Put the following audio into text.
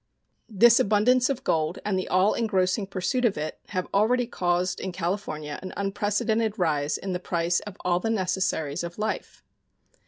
This abundance of gold and the all engrossing pursuit of it have already caused in California an unprecedented rise in the price of all the necessaries of life.